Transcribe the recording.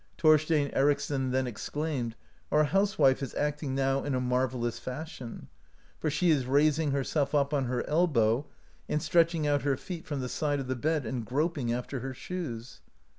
Thorstein Ericsson then exclaimed : "Our housewife is acting now in a marvellous fashion, for she is raising herself up on her elbow, and stretching out her feet from the side of the bed, and groping after her shoes."